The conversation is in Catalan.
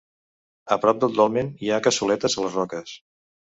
A prop del dolmen hi ha cassoletes a les roques.